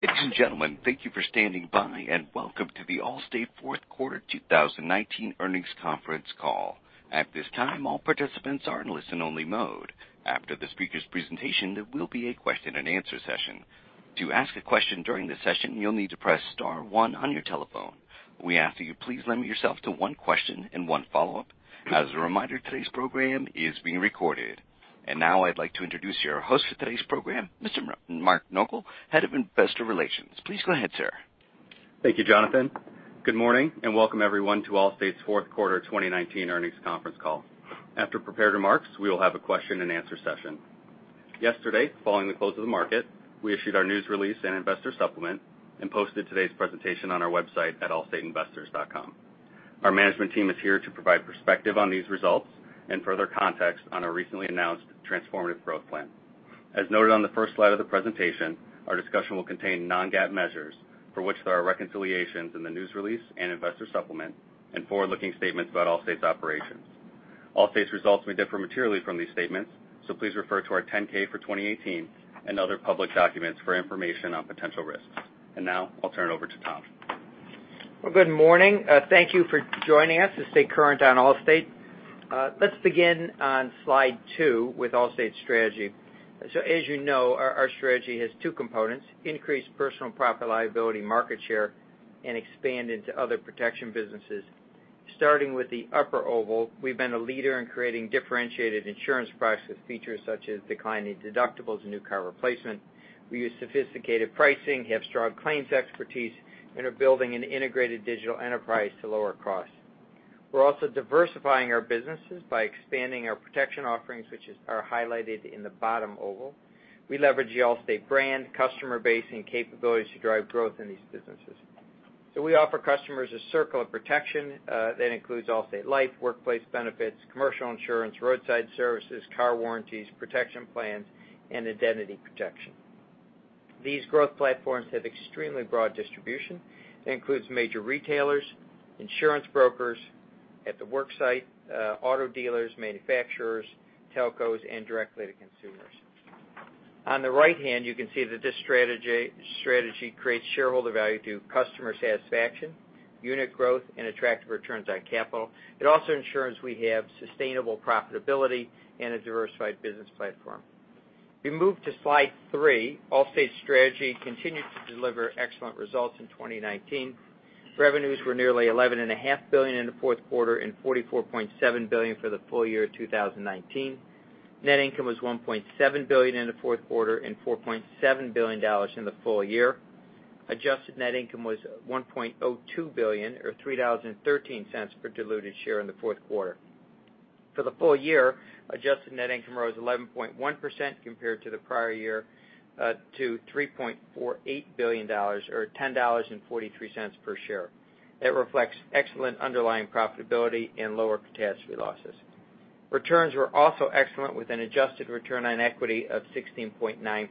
Ladies and gentlemen, thank you for standing by, and welcome to the Allstate Fourth Quarter 2019 Earnings Conference Call. At this time, all participants are in listen-only mode. After the speakers' presentation, there will be a question and answer session. To ask a question during the session, you will need to press star one on your telephone. We ask that you please limit yourself to one question and one follow-up. As a reminder, today's program is being recorded. Now I would like to introduce your host for today's program, Mr. Mark Nogal, Head of Investor Relations. Please go ahead, sir. Thank you, Jonathan. Good morning, and welcome everyone to Allstate's Fourth Quarter 2019 Earnings Conference Call. After prepared remarks, we will have a question and answer session. Yesterday, following the close of the market, we issued our news release and investor supplement and posted today's presentation on our website at allstateinvestors.com. Our management team is here to provide perspective on these results and further context on our recently announced transformative growth plan. As noted on the first slide of the presentation, our discussion will contain non-GAAP measures for which there are reconciliations in the news release and investor supplement and forward-looking statements about Allstate's operations. Allstate's results may differ materially from these statements, so please refer to our 10-K for 2018 and other public documents for information on potential risks. Now, I will turn it over to Tom. Well, good morning. Thank you for joining us to stay current on Allstate. Let's begin on slide two with Allstate's strategy. As you know, our strategy has two components, increase personal property and liability market share and expand into other protection businesses. Starting with the upper oval, we have been a leader in creating differentiated insurance products with features such as declining deductibles and new car replacement. We use sophisticated pricing, have strong claims expertise, and are building an integrated digital enterprise to lower costs. We are also diversifying our businesses by expanding our protection offerings, which are highlighted in the bottom oval. We leverage the Allstate brand, customer base, and capabilities to drive growth in these businesses. We offer customers a circle of protection that includes Allstate Life, Allstate Benefits, commercial insurance, roadside services, car warranties, Allstate Protection Plans, and Allstate Identity Protection. These growth platforms have extremely broad distribution that includes major retailers, insurance brokers at the worksite, auto dealers, manufacturers, telcos, and directly to consumers. On the right hand, you can see that this strategy creates shareholder value through customer satisfaction, unit growth, and attractive returns on capital. It also ensures we have sustainable profitability and a diversified business platform. If we move to slide three, Allstate's strategy continued to deliver excellent results in 2019. Revenues were nearly $11.5 billion in the fourth quarter and $44.7 billion for the full year 2019. Net income was $1.7 billion in the fourth quarter and $4.7 billion in the full year. Adjusted net income was $1.02 billion, or $3.13 per diluted share in the fourth quarter. For the full year, adjusted net income rose 11.1% compared to the prior year, to $3.48 billion or $10.43 per share. It reflects excellent underlying profitability and lower catastrophe losses. Returns were also excellent with an adjusted return on equity of 16.9%.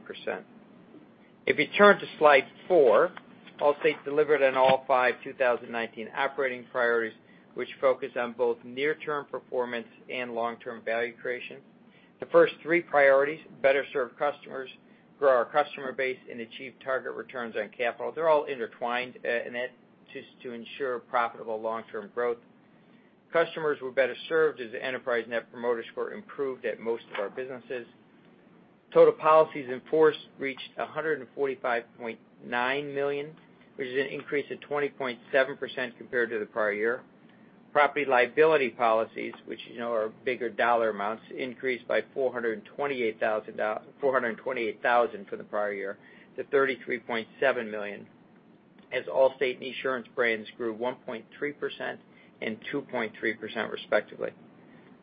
If you turn to slide four, Allstate delivered on all five 2019 operating priorities, which focus on both near-term performance and long-term value creation. The first three priorities, better serve customers, grow our customer base, and achieve target returns on capital. That is to ensure profitable long-term growth. Customers were better served as the enterprise Net Promoter Score improved at most of our businesses. Total policies in force reached $145.9 million, which is an increase of 20.7% compared to the prior year. Property and liability policies, which are bigger dollar amounts, increased by $428,000 for the prior year to $33.7 million, as Allstate and Insurance brands grew 1.3% and 2.3% respectively.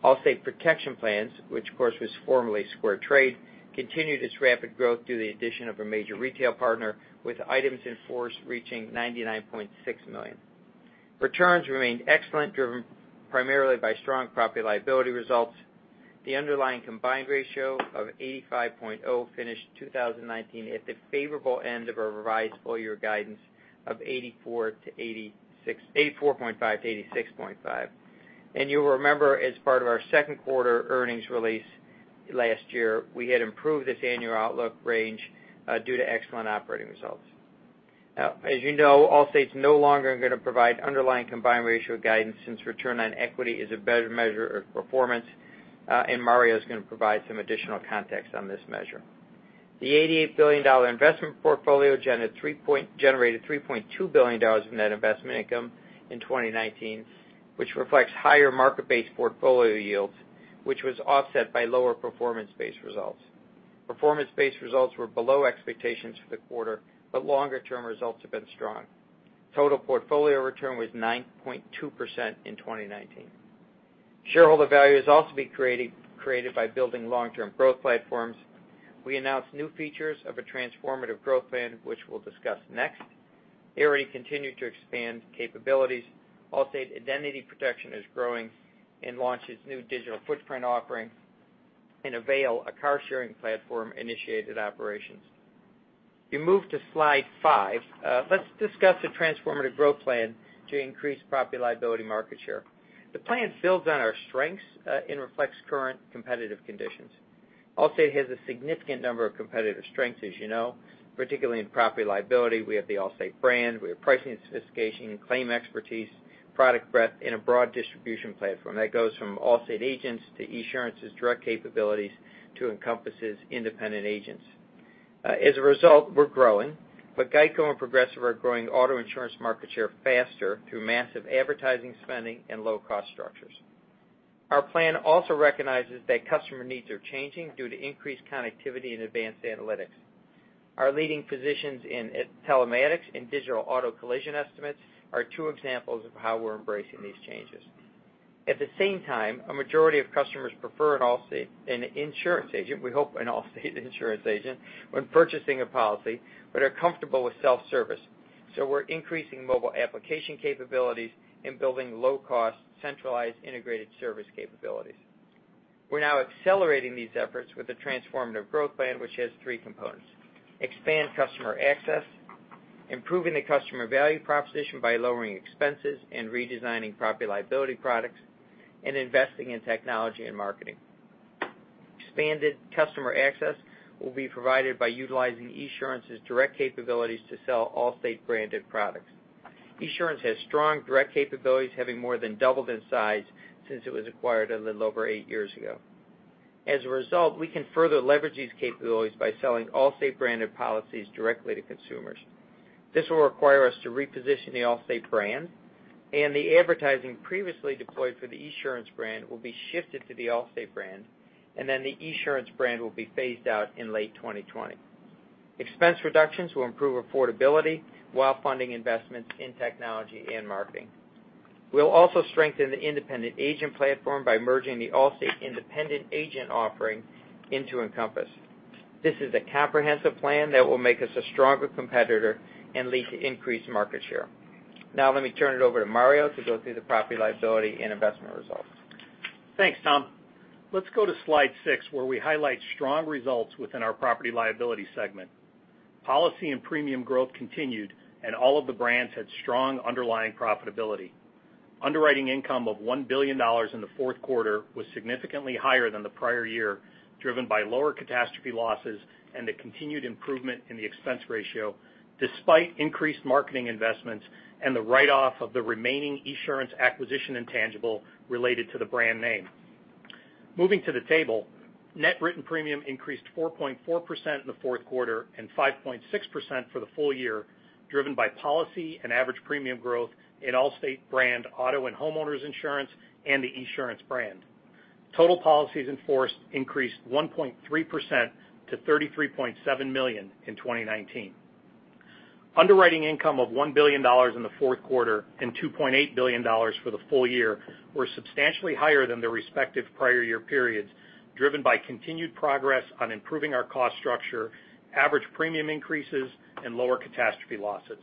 Allstate Protection Plans, which of course was formerly SquareTrade, continued its rapid growth through the addition of a major retail partner, with items in force reaching 99.6 million. Returns remained excellent, driven primarily by strong property and liability results. The underlying combined ratio of 85.0 finished 2019 at the favorable end of our revised full-year guidance of 84.5%-86.5%. You'll remember as part of our second quarter earnings release last year, we had improved this annual outlook range due to excellent operating results. As you know, Allstate's no longer going to provide underlying combined ratio guidance since return on equity is a better measure of performance. Mario's going to provide some additional context on this measure. The $88 billion investment portfolio generated $3.2 billion in net investment income in 2019, which reflects higher market-based portfolio yields, which was offset by lower performance-based results. Performance-based results were below expectations for the quarter. Longer-term results have been strong. Total portfolio return was 9.2% in 2019. Shareholder value is also being created by building long-term growth platforms. We announced new features of a transformative growth plan, which we'll discuss next. They already continued to expand capabilities. Allstate Identity Protection is growing and launched its new Digital Footprint offering. Avail, a car-sharing platform, initiated operations. If you move to slide five, let's discuss the transformative growth plan to increase property and liability market share. The plan builds on our strengths and reflects current competitive conditions. Allstate has a significant number of competitive strengths, as you know. Particularly in property liability, we have the Allstate brand, we have pricing sophistication and claim expertise, product breadth, and a broad distribution platform that goes from Allstate agents to Esurance's direct capabilities to Encompass' independent agents. As a result, we're growing. GEICO and Progressive are growing auto insurance market share faster through massive advertising spending and low cost structures. Our plan also recognizes that customer needs are changing due to increased connectivity and advanced analytics. Our leading positions in telematics and digital auto collision estimates are two examples of how we're embracing these changes. At the same time, a majority of customers prefer an insurance agent, we hope an Allstate insurance agent, when purchasing a policy. Are comfortable with self-service. We're increasing mobile application capabilities and building low cost, centralized, integrated service capabilities. We're now accelerating these efforts with a transformative growth plan, which has three components: expand customer access, improving the customer value proposition by lowering expenses and redesigning property liability products, and investing in technology and marketing. Expanded customer access will be provided by utilizing Esurance's direct capabilities to sell Allstate branded products. Esurance has strong, direct capabilities, having more than doubled in size since it was acquired a little over eight years ago. As a result, we can further leverage these capabilities by selling Allstate branded policies directly to consumers. This will require us to reposition the Allstate brand, and the advertising previously deployed for the Esurance brand will be shifted to the Allstate brand. Then the Esurance brand will be phased out in late 2020. Expense reductions will improve affordability while funding investments in technology and marketing. We will also strengthen the independent agent platform by merging the Allstate independent agent offering into Encompass. This is a comprehensive plan that will make us a stronger competitor and lead to increased market share. Now, let me turn it over to Mario to go through the property liability and investment results. Thanks, Tom. Let's go to slide six, where we highlight strong results within our property liability segment. Policy and premium growth continued, and all of the brands had strong underlying profitability. Underwriting income of $1 billion in the fourth quarter was significantly higher than the prior year, driven by lower catastrophe losses and the continued improvement in the expense ratio, despite increased marketing investments and the write-off of the remaining Esurance acquisition intangible related to the brand name. Moving to the table, net written premium increased 4.4% in the fourth quarter and 5.6% for the full year, driven by policy and average premium growth in Allstate brand auto and homeowners insurance and the Esurance brand. Total policies in force increased 1.3% to 33.7 million in 2019. Underwriting income of $1 billion in the fourth quarter and $2.8 billion for the full year were substantially higher than their respective prior year periods, driven by continued progress on improving our cost structure, average premium increases, and lower catastrophe losses.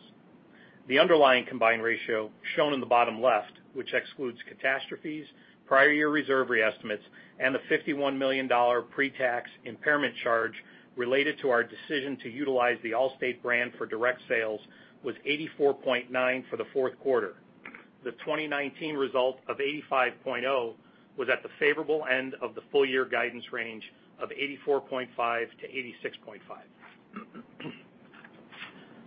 The underlying combined ratio, shown in the bottom left, which excludes catastrophes, prior year reserve re-estimates, and the $51 million pre-tax impairment charge related to our decision to utilize the Allstate brand for direct sales, was 84.9% for the fourth quarter. The 2019 result of 85.0% was at the favorable end of the full year guidance range of 84.5%-86.5%.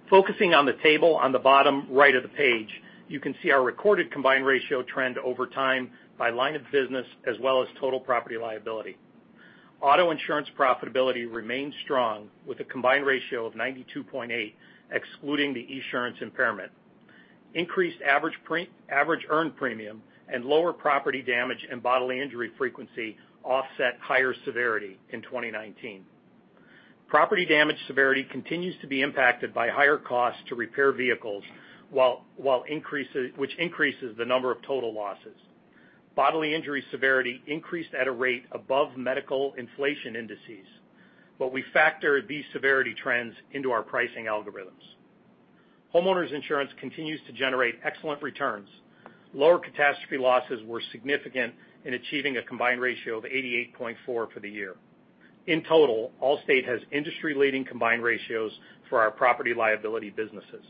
Focusing on the table on the bottom right of the page, you can see our recorded combined ratio trend over time by line of business, as well as total property liability. Auto insurance profitability remained strong with a combined ratio of 92.8%, excluding the Esurance impairment. Increased average earned premium and lower property damage and bodily injury frequency offset higher severity in 2019. Property damage severity continues to be impacted by higher costs to repair vehicles, which increases the number of total losses. Bodily injury severity increased at a rate above medical inflation indices, but we factor these severity trends into our pricing algorithms. Homeowners insurance continues to generate excellent returns. Lower catastrophe losses were significant in achieving a combined ratio of 88.4% for the year. In total, Allstate has industry-leading combined ratios for our property liability businesses.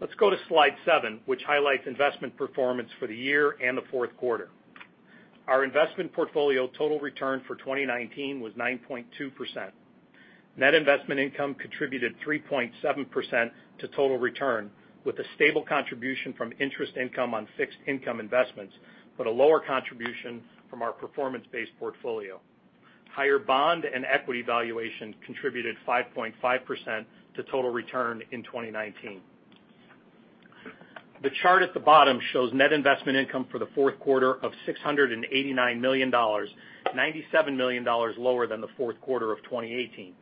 Let's go to slide seven, which highlights investment performance for the year and the fourth quarter. Our investment portfolio total return for 2019 was 9.2%. Net investment income contributed 3.7% to total return, with a stable contribution from interest income on fixed income investments, but a lower contribution from our performance-based portfolio. Higher bond and equity valuation contributed 5.5% to total return in 2019. The chart at the bottom shows net investment income for the fourth quarter of $689 million, $97 million lower than the fourth quarter of 2018.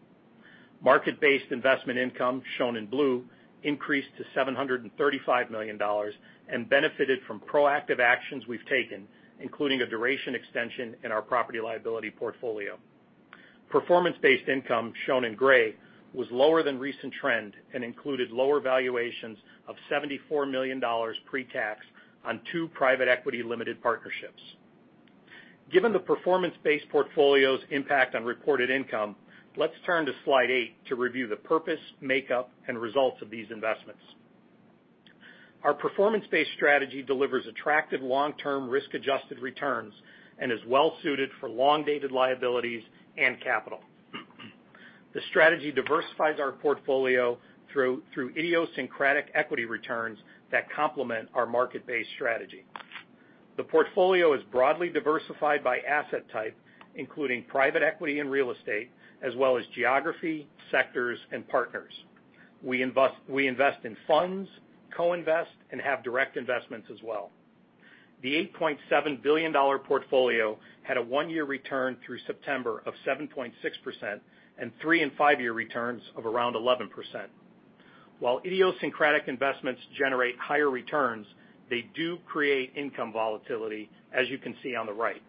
Market-based investment income, shown in blue, increased to $735 million and benefited from proactive actions we've taken, including a duration extension in our property liability portfolio. Performance-based income, shown in gray, was lower than recent trend and included lower valuations of $74 million pre-tax on two private equity limited partnerships. Given the performance-based portfolio's impact on reported income, let's turn to slide eight to review the purpose, makeup, and results of these investments. Our performance-based strategy delivers attractive long-term risk-adjusted returns and is well-suited for long-dated liabilities and capital. The strategy diversifies our portfolio through idiosyncratic equity returns that complement our market-based strategy. The portfolio is broadly diversified by asset type, including private equity and real estate, as well as geography, sectors, and partners. We invest in funds, co-invest, and have direct investments as well. The $8.7 billion portfolio had a one-year return through September of 7.6% and three and five-year returns of around 11%. While idiosyncratic investments generate higher returns, they do create income volatility, as you can see on the right.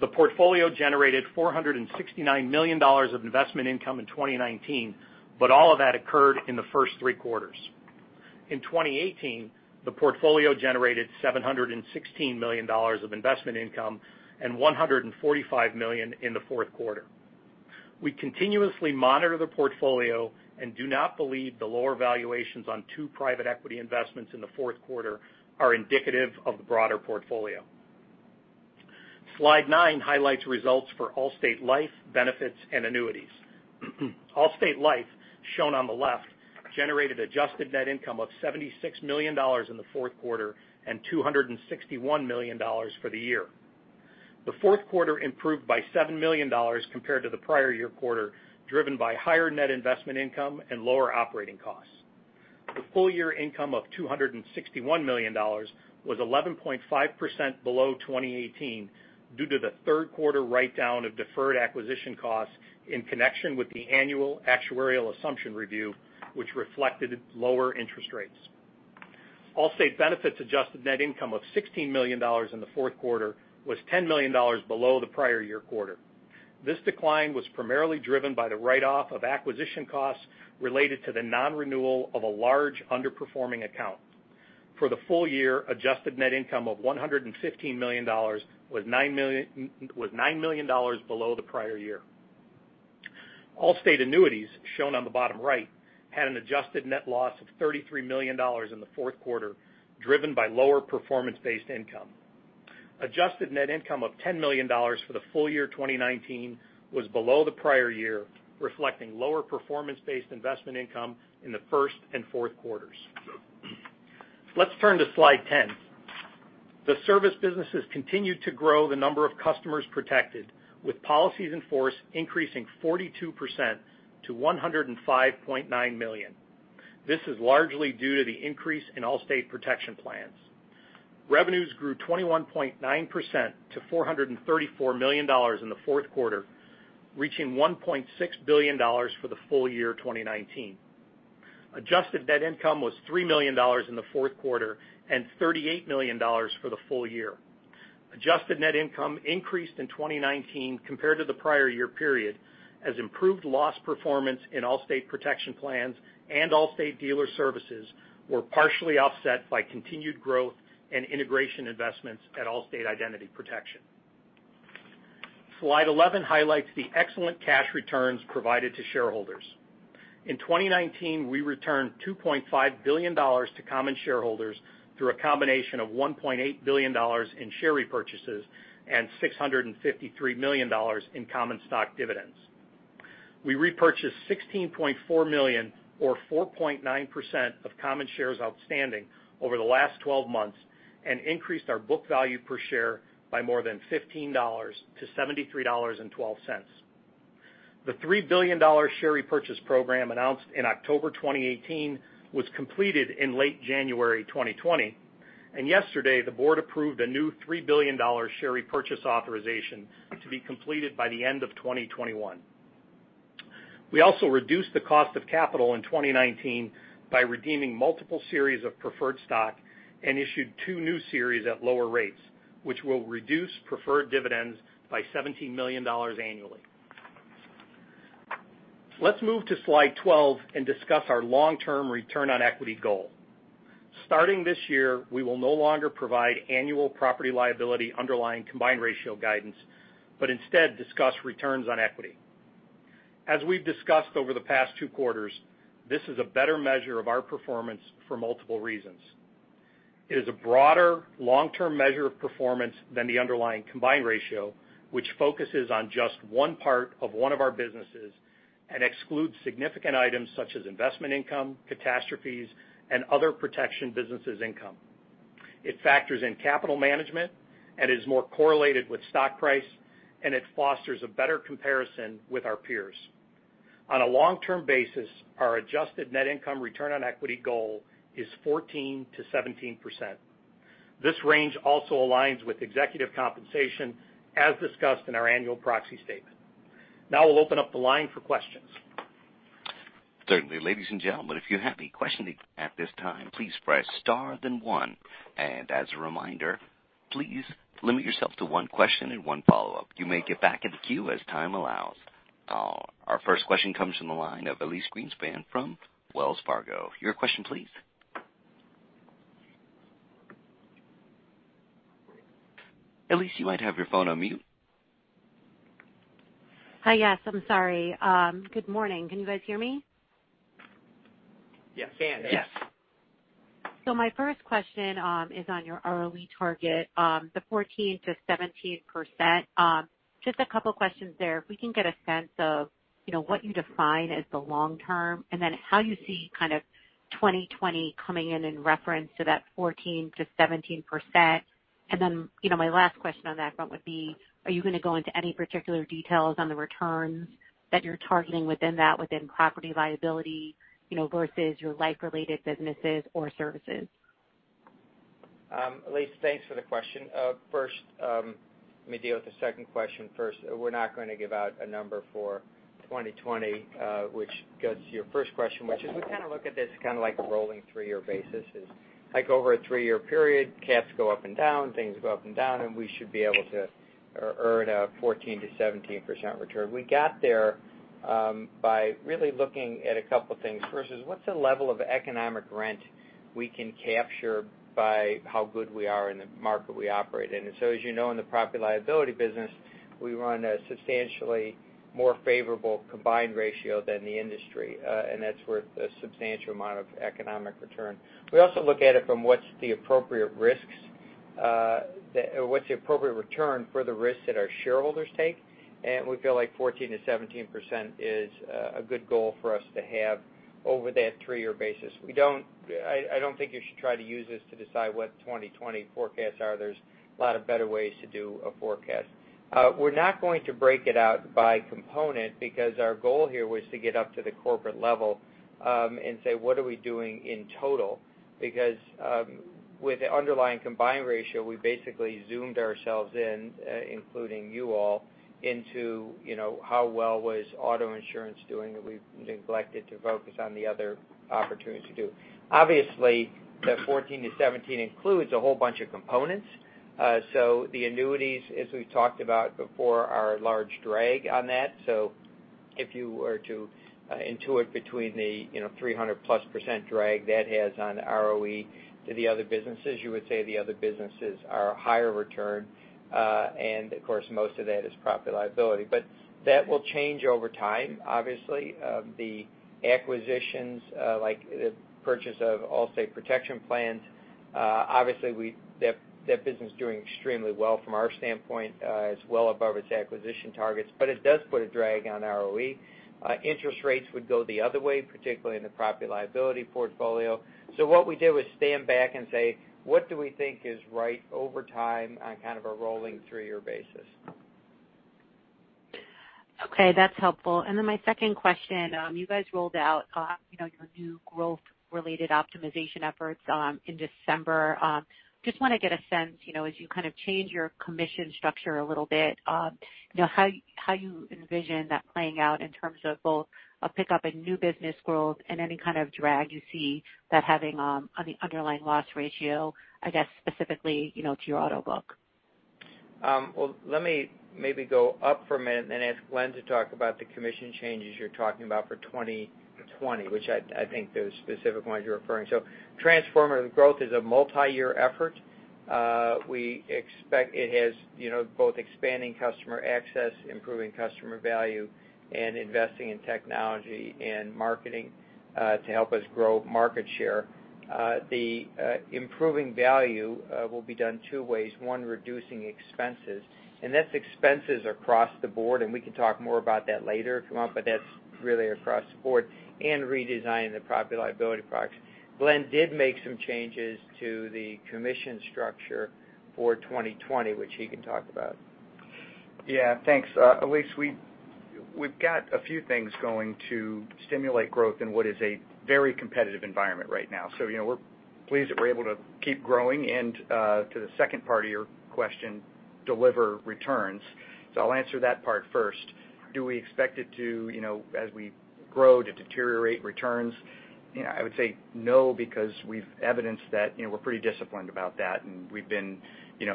The portfolio generated $469 million of investment income in 2019, but all of that occurred in the first three quarters. In 2018, the portfolio generated $716 million of investment income and $145 million in the fourth quarter. We continuously monitor the portfolio and do not believe the lower valuations on two private equity investments in the fourth quarter are indicative of the broader portfolio. Slide nine highlights results for Allstate Life Benefits and Annuities. Allstate Life, shown on the left, generated adjusted net income of $76 million in the fourth quarter and $261 million for the year. The fourth quarter improved by $7 million compared to the prior year quarter, driven by higher net investment income and lower operating costs. The full-year income of $261 million was 11.5% below 2018 due to the third quarter write-down of deferred acquisition costs in connection with the annual actuarial assumption review, which reflected lower interest rates. Allstate Benefits adjusted net income of $16 million in the fourth quarter was $10 million below the prior year quarter. This decline was primarily driven by the write-off of acquisition costs related to the non-renewal of a large underperforming account. For the full-year, adjusted net income of $115 million was $9 million below the prior year. Allstate Annuities, shown on the bottom right, had an adjusted net loss of $33 million in the fourth quarter, driven by lower performance-based income. Adjusted net income of $10 million for the full year 2019 was below the prior year, reflecting lower performance-based investment income in the first and fourth quarters. Let's turn to slide 10. The service businesses continued to grow the number of customers protected, with policies in force increasing 42% to 105.9 million. This is largely due to the increase in Allstate Protection Plans. Revenues grew 21.9% to $434 million in the fourth quarter, reaching $1.6 billion for the full year 2019. Adjusted net income was $3 million in the fourth quarter and $38 million for the full year. Adjusted net income increased in 2019 compared to the prior year period, as improved loss performance in Allstate Protection Plans and Allstate Dealer Services were partially offset by continued growth and integration investments at Allstate Identity Protection. Slide 11 highlights the excellent cash returns provided to shareholders. In 2019, we returned $2.5 billion to common shareholders through a combination of $1.8 billion in share repurchases and $653 million in common stock dividends. We repurchased 16.4 million or 4.9% of common shares outstanding over the last 12 months and increased our book value per share by more than $15 to $73.12. The $3 billion share repurchase program announced in October 2018 was completed in late January 2020. Yesterday the board approved a new $3 billion share repurchase authorization to be completed by the end of 2021. We also reduced the cost of capital in 2019 by redeeming multiple series of preferred stock and issued two new series at lower rates, which will reduce preferred dividends by $17 million annually. Let's move to slide 12 and discuss our long-term return on equity goal. Starting this year, we will no longer provide annual property liability underlying combined ratio guidance, but instead discuss returns on equity. As we've discussed over the past two quarters, this is a better measure of our performance for multiple reasons. It is a broader long-term measure of performance than the underlying combined ratio, which focuses on just one part of one of our businesses and excludes significant items such as investment income, catastrophes, and other protection businesses income. It factors in capital management and is more correlated with stock price. It fosters a better comparison with our peers. On a long-term basis, our adjusted net income return on equity goal is 14%-17%. This range also aligns with executive compensation as discussed in our annual proxy statement. I will open up the line for questions. Certainly. Ladies and gentlemen, if you have any questions at this time, please press star then one, and as a reminder, please limit yourself to one question and one follow-up. You may get back in the queue as time allows. Our first question comes from the line of Elyse Greenspan from Wells Fargo. Your question, please? Elyse, you might have your phone on mute. Hi. Yes, I'm sorry. Good morning. Can you guys hear me? Yes. My first question is on your ROE target, the 14%-17%. Just a couple of questions there. If we can get a sense of what you define as the long term, and then how you see 2020 coming in reference to that 14%-17%. My last question on that front would be, are you going to go into any particular details on the returns that you're targeting within that, within property liability, versus your life-related businesses or services? Elyse, thanks for the question. First, let me deal with the second question first. We're not going to give out a number for 2020, which goes to your first question, which is, we look at this like a rolling three-year basis. Over a three-year period, cats go up and down, things go up and down, we should be able to earn a 14%-17% return. We got there by really looking at a couple things. First is, what's the level of economic rent we can capture by how good we are in the market we operate in? As you know, in the property liability business, we run a substantially more favorable combined ratio than the industry, that's worth a substantial amount of economic return. We also look at it from what's the appropriate return for the risks that our shareholders take, we feel like 14%-17% is a good goal for us to have over that three-year basis. I don't think you should try to use this to decide what 2020 forecasts are. There's a lot of better ways to do a forecast. We're not going to break it out by component because our goal here was to get up to the corporate level, say, what are we doing in total? With the underlying combined ratio, we basically zoomed ourselves in, including you all, into how well was auto insurance doing, we've neglected to focus on the other opportunities to do. Obviously, the 14%-17% includes a whole bunch of components. The annuities, as we've talked about before, are a large drag on that. If you were to intuit between the 300-plus % drag that has on the ROE to the other businesses, you would say the other businesses are higher return. Of course, most of that is property liability. That will change over time, obviously. The acquisitions, like the purchase of Allstate Protection Plans, obviously, that business is doing extremely well from our standpoint. It's well above its acquisition targets. It does put a drag on ROE. Interest rates would go the other way, particularly in the property liability portfolio. What we did was stand back and say, "What do we think is right over time on a rolling three-year basis? Okay, that's helpful. My second question, you guys rolled out your new growth-related optimization efforts in December. Just want to get a sense, as you change your commission structure a little bit, how you envision that playing out in terms of both a pickup in new business growth and any kind of drag you see that having on the underlying loss ratio, I guess specifically, to your auto book. Let me maybe go up for a minute, ask Glenn to talk about the commission changes you're talking about for 2020, which I think those specific ones you're referring to. Transformative growth is a multi-year effort. We expect it has both expanding customer access, improving customer value, and investing in technology and marketing to help us grow market share. The improving value will be done two ways. One, reducing expenses, and that's expenses across the board, and we can talk more about that later if you want, but that's really across the board, and redesigning the property liability products. Glenn did make some changes to the commission structure for 2020, which he can talk about. Yeah, thanks. Elyse, we've got a few things going to stimulate growth in what is a very competitive environment right now. We're pleased that we're able to keep growing and, to the second part of your question, deliver returns. I'll answer that part first. Do we expect it to, as we grow, to deteriorate returns? I would say no, because we've evidenced that we're pretty disciplined about that, and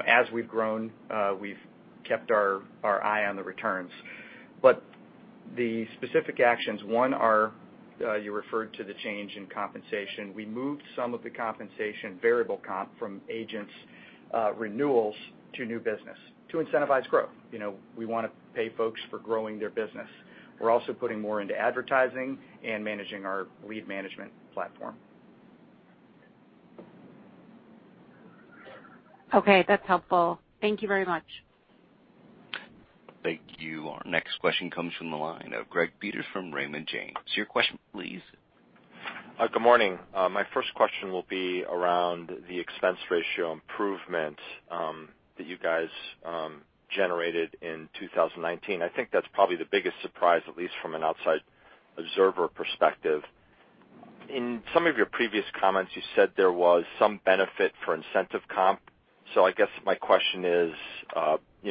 as we've grown, we've kept our eye on the returns. The specific actions, one, you referred to the change in compensation. We moved some of the compensation variable comp from agents' renewals to new business to incentivize growth. We want to pay folks for growing their business. We're also putting more into advertising and managing our lead management platform. Okay, that's helpful. Thank you very much. Thank you. Our next question comes from the line of Greg Peters from Raymond James. Your question, please. Good morning. My first question will be around the expense ratio improvement that you guys generated in 2019. I think that's probably the biggest surprise, at least from an outside observer perspective. In some of your previous comments, you said there was some benefit for incentive comp. I guess my question is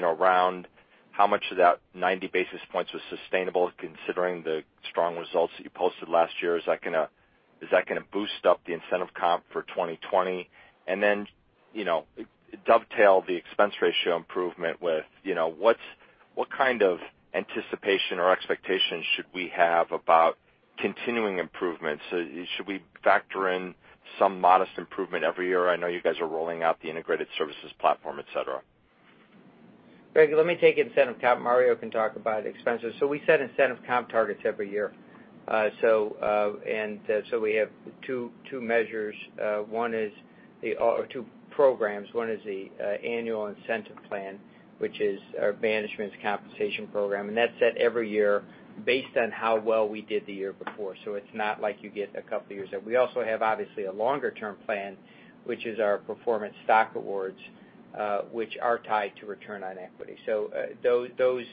around how much of that 90 basis points was sustainable considering the strong results that you posted last year. Is that going to boost up the incentive comp for 2020? Dovetail the expense ratio improvement with What kind of anticipation or expectations should we have about continuing improvements? Should we factor in some modest improvement every year? I know you guys are rolling out the integrated services platform, et cetera. Greg, let me take incentive comp. Mario can talk about expenses. We set incentive comp targets every year. We have two programs. One is the annual incentive plan, which is our management's compensation program, and that's set every year based on how well we did the year before. It's not like you get a couple of years there. We also have, obviously, a longer-term plan, which is our performance stock awards, which are tied to return on equity. Those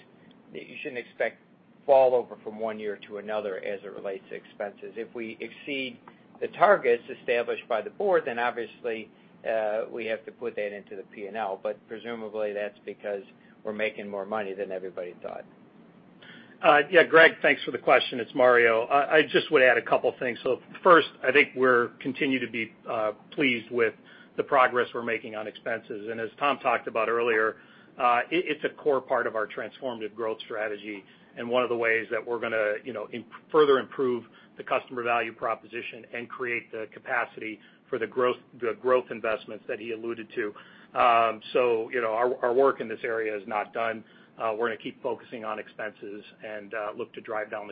you shouldn't expect fall over from one year to another as it relates to expenses. If we exceed the targets established by the board, obviously, we have to put that into the P&L. Presumably, that's because we're making more money than everybody thought. Yeah, Greg, thanks for the question. It's Mario. I just would add a couple things. First, I think we're continuing to be pleased with the progress we're making on expenses. As Tom talked about earlier, it's a core part of our transformative growth strategy and one of the ways that we're going to further improve the customer value proposition and create the capacity for the growth investments that he alluded to. Our work in this area is not done. We're going to keep focusing on expenses and look to drive down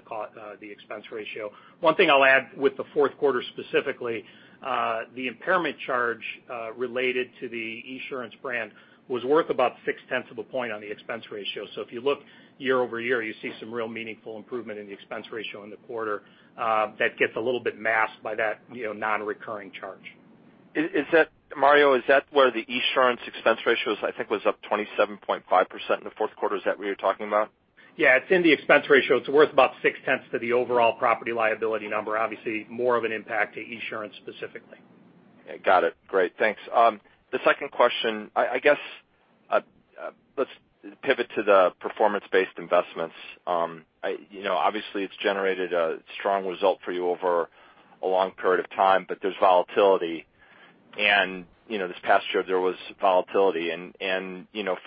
the expense ratio. One thing I'll add with the fourth quarter specifically, the impairment charge related to the Esurance brand was worth about six tenths of a point on the expense ratio. If you look year-over-year, you see some real meaningful improvement in the expense ratio in the quarter that gets a little bit masked by that non-recurring charge. Mario, is that where the Esurance expense ratio is? I think was up 27.5% in the fourth quarter. Is that what you're talking about? Yeah, it's in the expense ratio. It's worth about six tenths to the overall property liability number. Obviously, more of an impact to Esurance specifically. Got it. Great. Thanks. The second question, let's pivot to the performance-based investments. Obviously, it's generated a strong result for you over a long period of time, but there's volatility. This past year, there was volatility.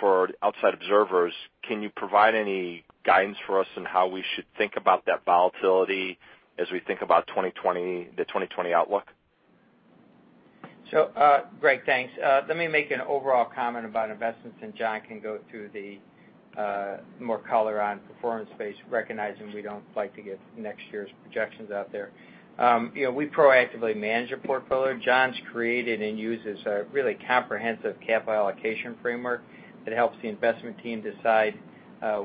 For outside observers, can you provide any guidance for us on how we should think about that volatility as we think about the 2020 outlook? Greg, thanks. Let me make an overall comment about investments, John can go through the more color on performance-based, recognizing we don't like to give next year's projections out there. We proactively manage a portfolio. John's created and uses a really comprehensive capital allocation framework that helps the investment team decide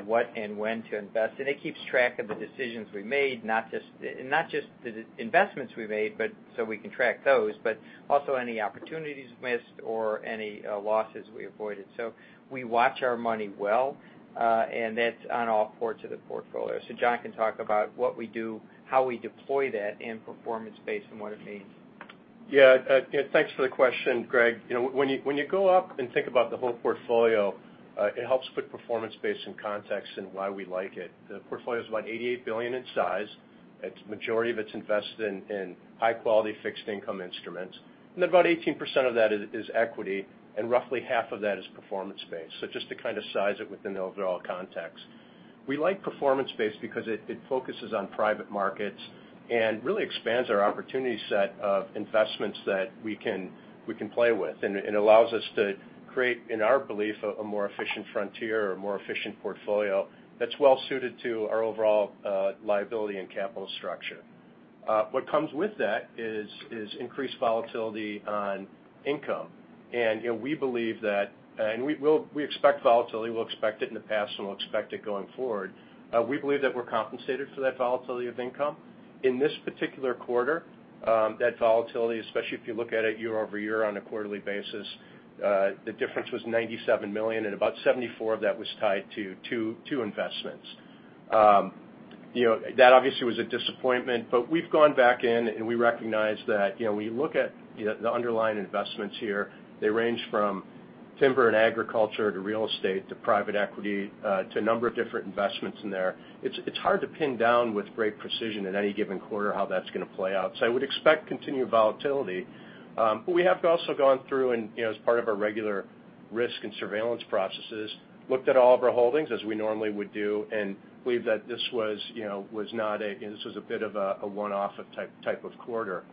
what and when to invest. It keeps track of the decisions we made, not just the investments we made, so we can track those, but also any opportunities missed or any losses we avoided. We watch our money well, and that's on all parts of the portfolio. John can talk about what we do, how we deploy that in performance-based, and what it means. Yeah. Thanks for the question, Greg. When you go up and think about the whole portfolio, it helps put performance-based in context and why we like it. The portfolio is about $88 billion in size. Majority of it's invested in high-quality fixed income instruments, about 18% of that is equity, and roughly half of that is performance-based. Just to kind of size it within the overall context. We like performance-based because it focuses on private markets and really expands our opportunity set of investments that we can play with. It allows us to create, in our belief, a more efficient frontier or a more efficient portfolio that's well suited to our overall liability and capital structure. What comes with that is increased volatility on income. We expect volatility. We'll expect it in the past, and we'll expect it going forward. We believe that we're compensated for that volatility of income. In this particular quarter, that volatility, especially if you look at it year-over-year on a quarterly basis, the difference was $97 million, and about $74 million of that was tied to two investments. That obviously was a disappointment, we've gone back in, we recognize that when you look at the underlying investments here, they range from timber and agriculture to real estate to private equity to a number of different investments in there. It's hard to pin down with great precision in any given quarter how that's going to play out. I would expect continued volatility. We have also gone through as part of our regular risk and surveillance processes, looked at all of our holdings as we normally would do and believe that this was a bit of a one-off type of quarter.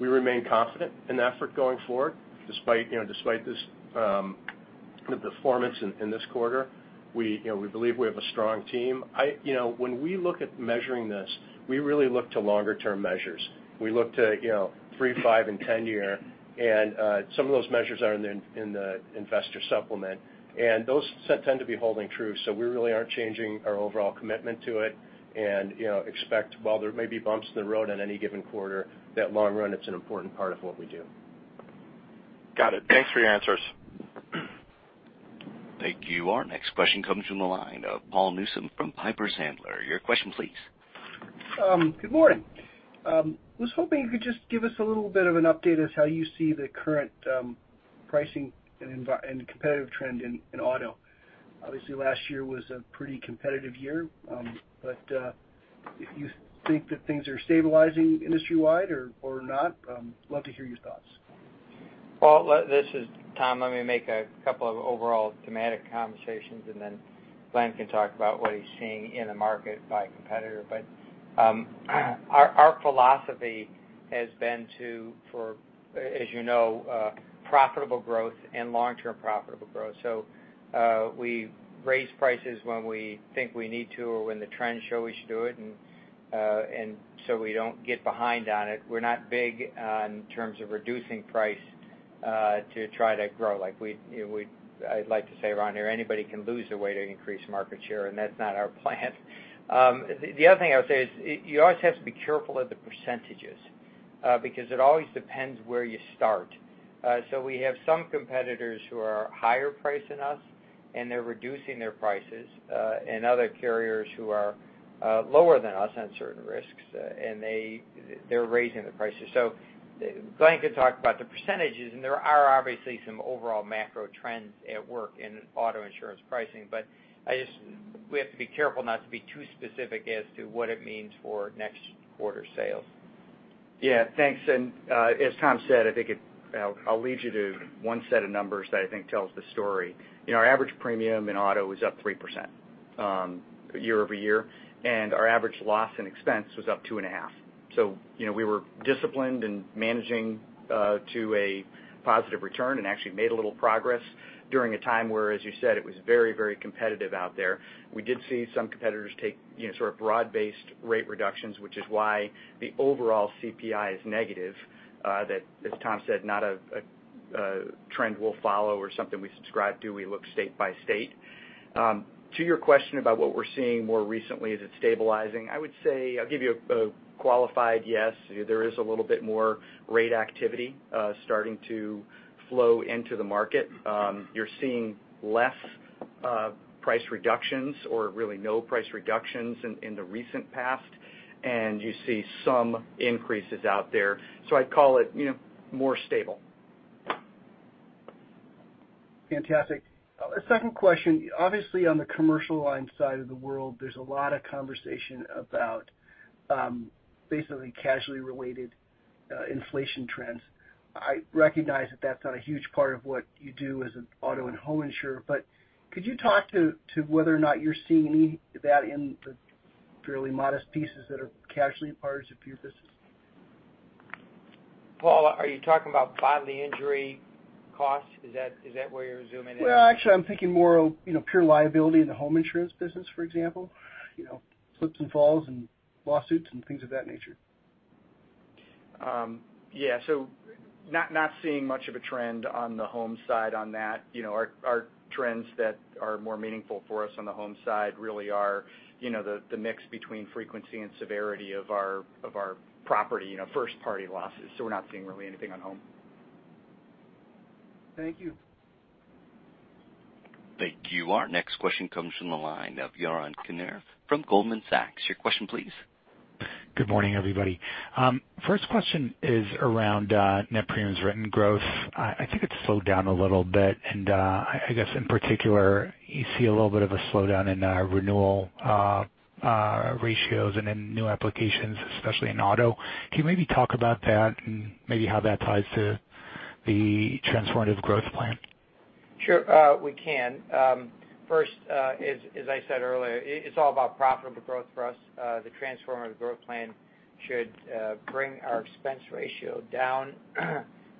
We remain confident in the effort going forward despite the performance in this quarter. We believe we have a strong team. When we look at measuring this, we really look to longer-term measures. We look to 3-, 5-, and 10-year, and some of those measures are in the investor supplement. Those tend to be holding true, we really aren't changing our overall commitment to it and expect while there may be bumps in the road in any given quarter, that long run, it's an important part of what we do. Got it. Thanks for your answers. Thank you. Our next question comes from the line of Paul Newsome from Piper Sandler. Your question, please. Good morning. I was hoping you could just give us a little bit of an update as to how you see the current pricing and competitive trend in auto. Obviously, last year was a pretty competitive year. If you think that things are stabilizing industry-wide or not, love to hear your thoughts. Well, this is Tom. Let me make a couple of overall thematic conversations, and then Glenn can talk about what he's seeing in the market by competitor. Our philosophy has been to, as you know, profitable growth and long-term profitable growth. We raise prices when we think we need to or when the trends show we should do it, we don't get behind on it. We're not big in terms of reducing price to try to grow. I'd like to say around here, anybody can lose their way to increase market share, and that's not our plan. The other thing I would say is, you always have to be careful of the percentages, because it always depends where you start. We have some competitors who are higher price than us, and they're reducing their prices, and other carriers who are lower than us on certain risks, and they're raising the prices. Glenn could talk about the percentages, and there are obviously some overall macro trends at work in auto insurance pricing. We have to be careful not to be too specific as to what it means for next quarter sales. Yeah, thanks. As Tom said, I'll lead you to one set of numbers that I think tells the story. Our average premium in auto was up 3% year-over-year, and our average loss in expense was up 2.5%. We were disciplined in managing to a positive return and actually made a little progress during a time where, as you said, it was very competitive out there. We did see some competitors take sort of broad-based rate reductions, which is why the overall CPI is negative. That, as Tom said, not a trend we'll follow or something we subscribe to. We look state by state. To your question about what we're seeing more recently, is it stabilizing? I would say, I'll give you a qualified yes. There is a little bit more rate activity starting to flow into the market. You're seeing less price reductions or really no price reductions in the recent past, and you see some increases out there. I'd call it more stable. Fantastic. A second question. Obviously, on the commercial line side of the world, there's a lot of conversation about basically casualty-related inflation trends. I recognize that that's not a huge part of what you do as an auto and home insurer, but could you talk to whether or not you're seeing any of that in the fairly modest pieces that are casually a part of your business? Paul, are you talking about bodily injury costs? Is that where you're zooming in? Well, actually, I'm thinking more of pure liability in the home insurance business, for example. Slips and falls and lawsuits and things of that nature. Yeah. Not seeing much of a trend on the home side on that. Our trends that are more meaningful for us on the home side really are the mix between frequency and severity of our property, first-party losses. We're not seeing really anything on home. Thank you. Thank you. Our next question comes from the line of Yaron Wiener from Goldman Sachs. Your question, please. Good morning, everybody. First question is around net premiums written growth. I think it slowed down a little bit, and I guess in particular, you see a little bit of a slowdown in renewal ratios and in new applications, especially in auto. Can you maybe talk about that and maybe how that ties to the Transformative Growth Plan? Sure, we can. First, as I said earlier, it's all about profitable growth for us. The Transformative Growth Plan should bring our expense ratio down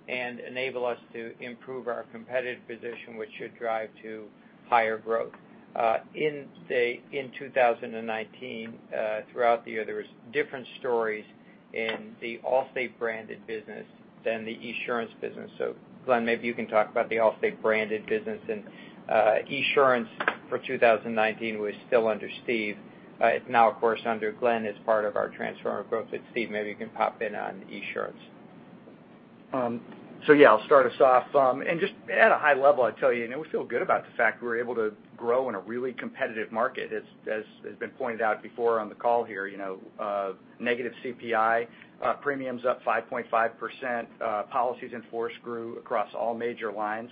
and enable us to improve our competitive position, which should drive to higher growth. In 2019, throughout the year, there was different stories in the Allstate branded business than the Esurance business. Glenn, maybe you can talk about the Allstate branded business, and Esurance for 2019 was still under Steve. It's now, of course, under Glenn as part of our Transformative Growth. Steve, maybe you can pop in on Esurance. Yeah, I'll start us off. Just at a high level, I'd tell you, we feel good about the fact we were able to grow in a really competitive market. As has been pointed out before on the call here, negative CPI, premiums up 5.5%, policies in force grew across all major lines.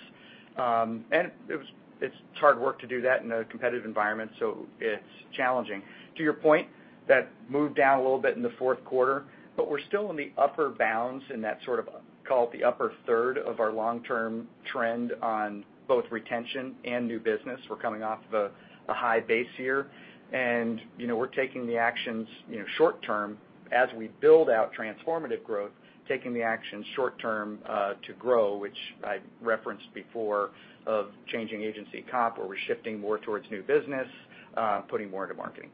It's hard work to do that in a competitive environment, so it's challenging. To your point, that moved down a little bit in the fourth quarter, we're still in the upper bounds in that sort of, call it the upper third of our long-term trend on both retention and new business. We're coming off of a high base year, we're taking the actions short-term as we build out transformative growth, taking the actions short-term to grow, which I referenced before, of changing agency comp, where we're shifting more towards new business, putting more into marketing.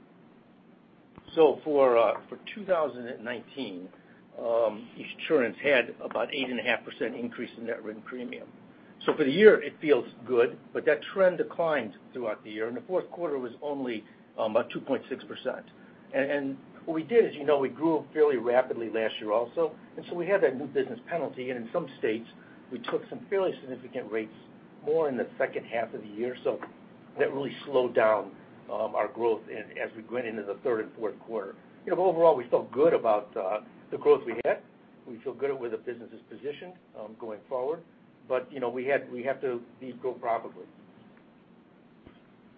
For 2019, Esurance had about 8.5% increase in net written premium. For the year, it feels good, but that trend declined throughout the year, the fourth quarter was only about 2.6%. What we did is we grew fairly rapidly last year also, so we had that new business penalty, in some states, we took some fairly significant rates more in the second half of the year. That really slowed down our growth as we went into the third and fourth quarter. Overall, we felt good about the growth we had. We feel good with the business' position going forward. We have to grow profitably.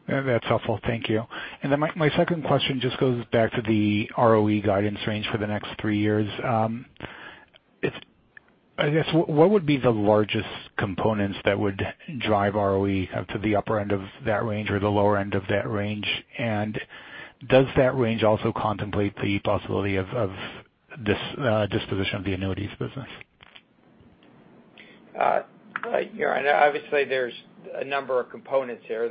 That's helpful. Thank you. Then my second question just goes back to the ROE guidance range for the next three years. I guess, what would be the largest components that would drive ROE up to the upper end of that range or the lower end of that range? Does that range also contemplate the possibility of this disposition of the annuities business? Obviously, there's a number of components here.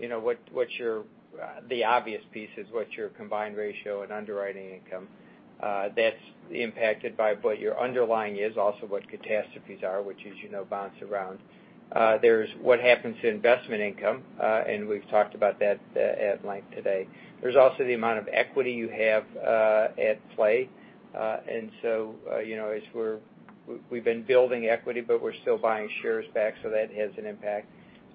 The obvious piece is what's your combined ratio and underwriting income. That's impacted by what your underlying is, also what catastrophes are, which as you know, bounce around. There's what happens to investment income, we've talked about that at length today. There's also the amount of equity you have at play. So, as we've been building equity, we're still buying shares back, that has an impact.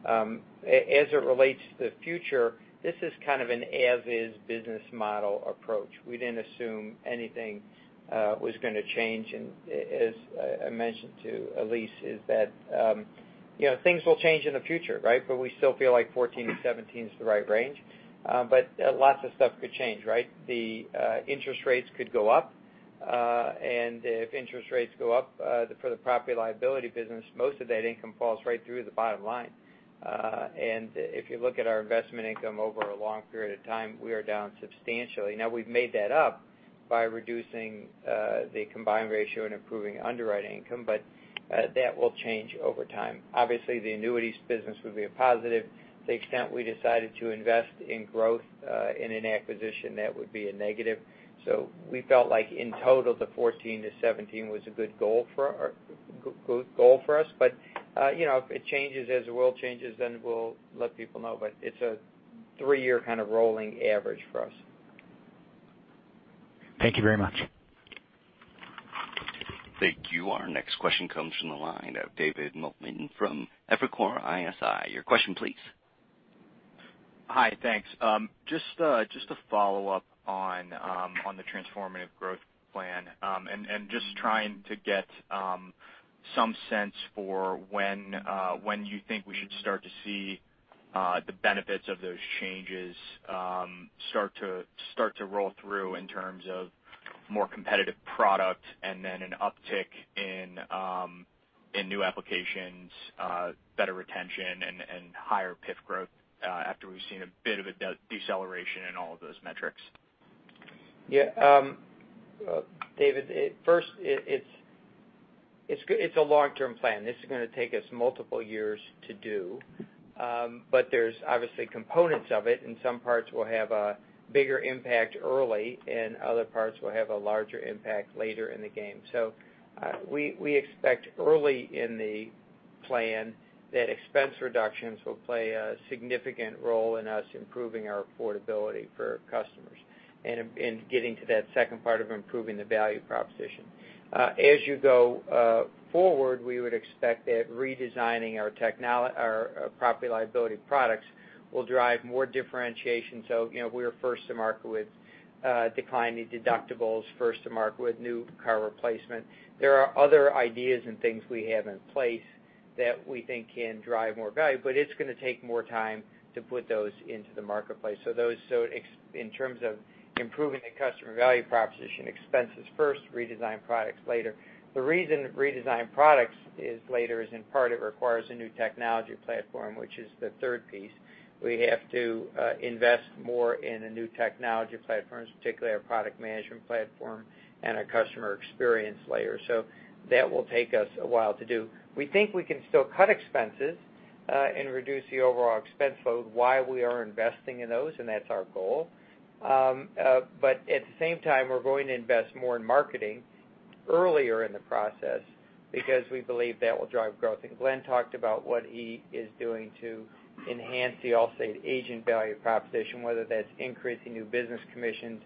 As it relates to the future, this is kind of an as is business model approach. We didn't assume anything was going to change. As I mentioned to Elyse, things will change in the future, we still feel like 14 to 17 is the right range. Lots of stuff could change. The interest rates could go up, and if interest rates go up for the property liability business, most of that income falls right through to the bottom line. If you look at our investment income over a long period of time, we are down substantially. Now we've made that up by reducing the combined ratio and improving underwriting income, but that will change over time. Obviously, the Annuities business would be a positive. To the extent we decided to invest in growth in an acquisition, that would be a negative. We felt like in total, the 14%-17% was a good goal for us. If it changes as the world changes, then we'll let people know. It's a three-year kind of rolling average for us. Thank you very much. Thank you. Our next question comes from the line of David Motemaden from Evercore ISI. Your question, please. Hi, thanks. Just to follow up on the transformative growth plan. Just trying to get some sense for when you think we should start to see the benefits of those changes start to roll through in terms of more competitive product and then an uptick in new applications, better retention, and higher PIF growth after we've seen a bit of a deceleration in all of those metrics. Yeah. David, first, it's a long-term plan. This is going to take us multiple years to do. There's obviously components of it, and some parts will have a bigger impact early, and other parts will have a larger impact later in the game. We expect early in the plan that expense reductions will play a significant role in us improving our affordability for customers and in getting to that second part of improving the value proposition. As you go forward, we would expect that redesigning our property liability products will drive more differentiation. We were first to market with declining deductibles, first to market with new car replacement. There are other ideas and things we have in place that we think can drive more value, but it's going to take more time to put those into the marketplace. In terms of improving the customer value proposition, expenses first, redesigned products later. The reason redesigned products is later is in part it requires a new technology platform, which is the third piece. We have to invest more in a new technology platform, particularly our product management platform and our customer experience layer. That will take us a while to do. We think we can still cut expenses and reduce the overall expense load while we are investing in those, and that's our goal. At the same time, we're going to invest more in marketing earlier in the process because we believe that will drive growth. Glenn talked about what he is doing to enhance the Allstate agent value proposition, whether that's increasing new business commissions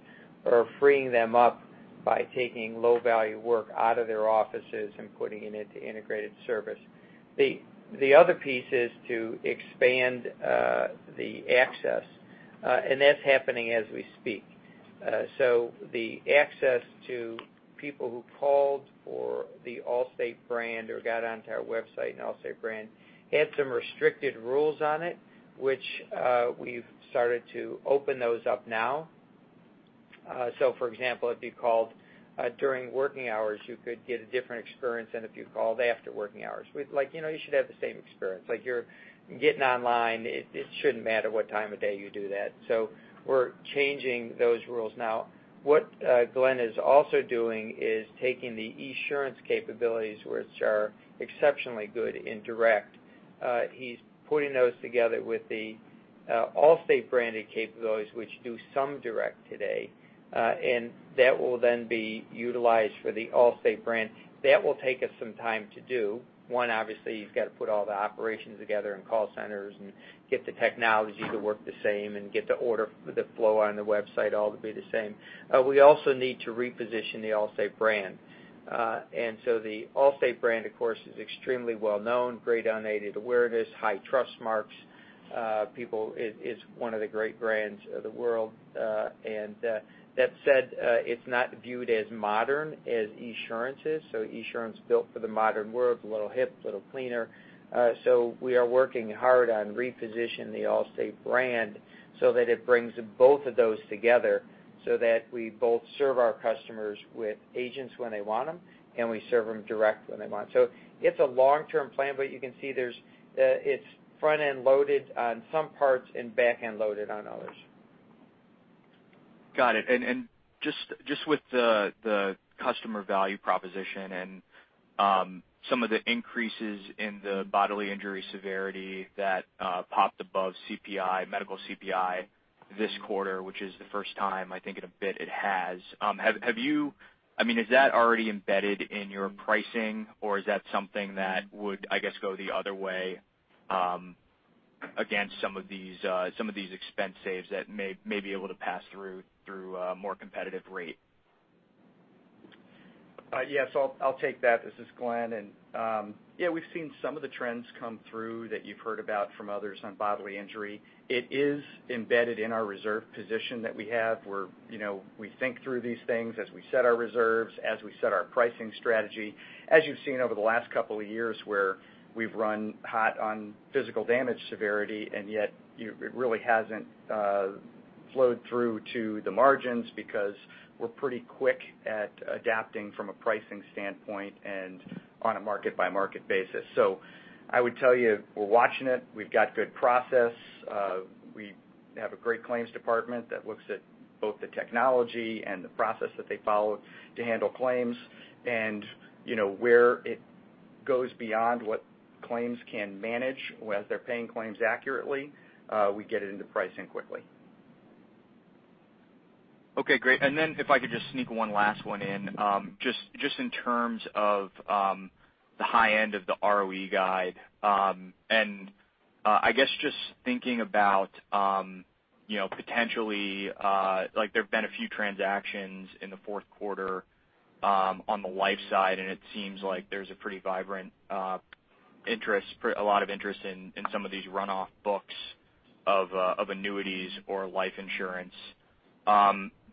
or freeing them up by taking low-value work out of their offices and putting it into integrated service. The other piece is to expand the access, and that's happening as we speak. The access to people who called for the Allstate brand or got onto our website and Allstate brand had some restricted rules on it, which we've started to open those up now. For example, if you called during working hours, you could get a different experience than if you called after working hours. You should have the same experience. You're getting online, it shouldn't matter what time of day you do that. We're changing those rules now. What Glenn is also doing is taking the Esurance capabilities, which are exceptionally good in direct. He's putting those together with the Allstate branded capabilities, which do some direct today. That will then be utilized for the Allstate brand. That will take us some time to do. One, obviously, you've got to put all the operations together and call centers and get the technology to work the same and get the order, the flow on the website all to be the same. We also need to reposition the Allstate brand. The Allstate brand, of course, is extremely well known, great unaided awareness, high trust marks. People, it is one of the great brands of the world. That said, it's not viewed as modern as Esurance is. Esurance is built for the modern world, a little hip, a little cleaner. We are working hard on repositioning the Allstate brand so that it brings both of those together, so that we both serve our customers with agents when they want them, and we serve them direct when they want. It's a long-term plan, but you can see it's front-end loaded on some parts and back-end loaded on others. Got it. Just with the customer value proposition and some of the increases in the bodily injury severity that popped above medical CPI this quarter, which is the first time I think in a bit it has. Is that already embedded in your pricing, or is that something that would, I guess, go the other way against some of these expense saves that may be able to pass through a more competitive rate? Yes, I'll take that. This is Glenn, and we've seen some of the trends come through that you've heard about from others on bodily injury. It is embedded in our reserve position that we have, we think through these things as we set our reserves, as we set our pricing strategy. You've seen over the last couple of years where we've run hot on physical damage severity, and yet it really hasn't flowed through to the margins because we're pretty quick at adapting from a pricing standpoint and on a market-by-market basis. I would tell you, we're watching it. We've got good process. We have a great claims department that looks at both the technology and the process that they follow to handle claims. Where it goes beyond what claims can manage as they're paying claims accurately, we get it into pricing quickly. Okay, great. Then if I could just sneak one last one in, just in terms of the high end of the ROE guide. I guess just thinking about potentially, there've been a few transactions in the fourth quarter on the life side, and it seems like there's a pretty vibrant interest, a lot of interest in some of these runoff books of annuities or life insurance.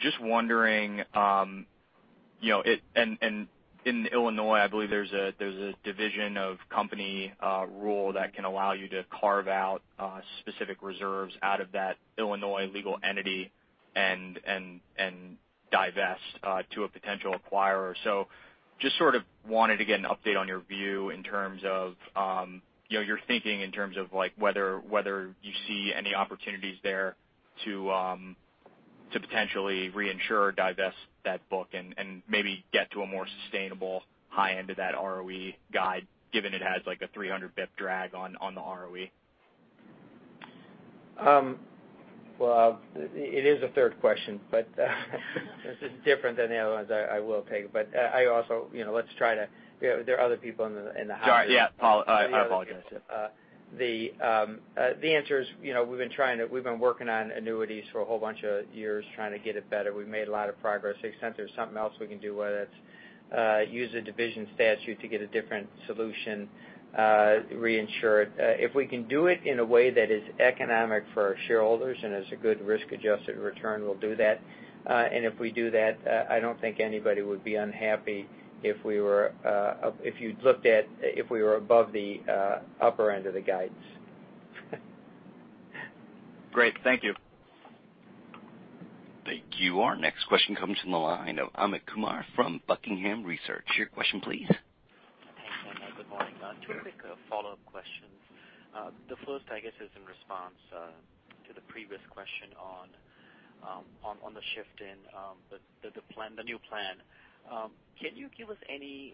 Just wondering, in Illinois, I believe there's a division of company rule that can allow you to carve out specific reserves out of that Illinois legal entity and divest to a potential acquirer. Just sort of wanted to get an update on your view in terms of your thinking in terms of whether you see any opportunities there to potentially reinsure or divest that book and maybe get to a more sustainable high end of that ROE guide, given it has like a 300 bip drag on the ROE. It is a third question, this is different than the other ones I will take. There are other people in the hierarchy. Sorry, yeah. I apologize, yeah. The answer is we've been working on annuities for a whole bunch of years trying to get it better. We've made a lot of progress. The extent there's something else we can do, whether it's use a division statute to get a different solution reinsured. If we can do it in a way that is economic for our shareholders and is a good risk-adjusted return, we'll do that. If we do that, I don't think anybody would be unhappy if you looked at if we were above the upper end of the guidance. Great. Thank you. Thank you. Our next question comes from the line of Amit Kumar from Buckingham Research. Your question, please. Thanks. Good morning. Two quick follow-up questions. The first, I guess, is in response to the previous question on the shift in the new plan. Can you give us any